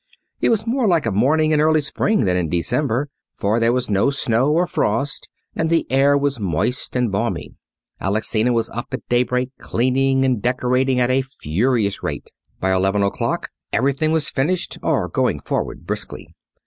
It was more like a morning in early spring than in December, for there was no snow or frost, and the air was moist and balmy. Alexina was up at daybreak, cleaning and decorating at a furious rate. By eleven o'clock everything was finished or going forward briskly.